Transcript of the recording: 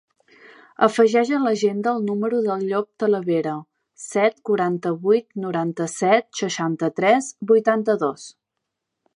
Afegeix a l'agenda el número del Llop Talavera: set, quaranta-vuit, noranta-set, seixanta-tres, vuitanta-dos.